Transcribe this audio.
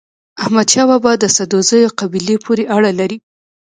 احمد شاه بابا د سدوزيو قبيلې پورې اړه لري.